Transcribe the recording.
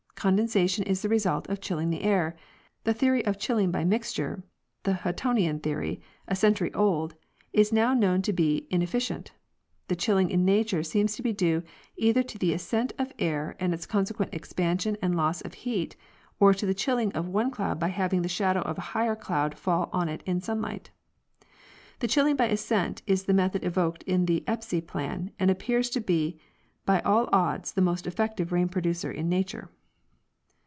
Condensation is the result of chilling the air. The theory of chilling by mixture, the Huttonian theory, a century old, is now known to be ineffi cient. The chilling in nature seems to be due either to the ascent of air and its consequent expansion and loss of heat or the chill ing of one cloud by having the shadow of a higher cloud fall on it in sunlight. The chilling by ascent is the method evoked in the Espy plan and appears to be by all odds the most effective rain producer in nature.